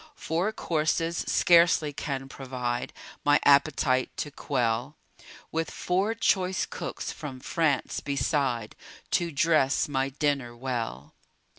Four courses scarcely can provide My appetite to quell; With four choice cooks from France beside, To dress my dinner well.